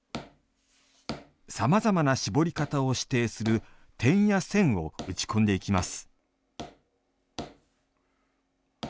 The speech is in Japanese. さまざまな絞り方を指定する点や線を打ち込んでいきます。